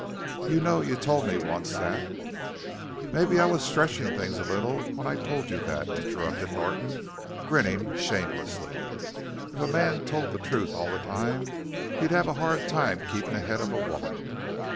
"You know you told me once that " "Mebbe I was stretchin' things a little when I told you that," interrupted Norton, grinning shamelessly. "If a man told the truth all the time he'd have a hard time keepin' ahead of a woman."